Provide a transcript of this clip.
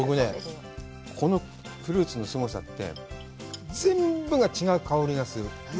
僕ね、このフルーツのすごさって、全部が違う香りがする。